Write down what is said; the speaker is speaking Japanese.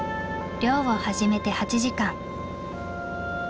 漁を始めて８時間。